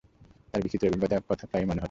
তাঁর বিচিত্র অভিজ্ঞতার কথা প্রায়ই মনে হত।